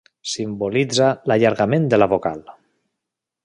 Simbolitza l'allargament de la vocal.